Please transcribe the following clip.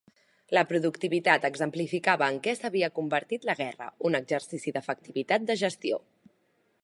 La productivitat exemplificava en què s'havia convertit la guerra: un exercici d'efectivitat de gestió.